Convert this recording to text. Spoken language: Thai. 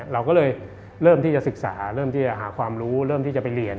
เราก็เลยเริ่มที่จะศึกษาเริ่มที่จะหาความรู้เริ่มที่จะไปเรียน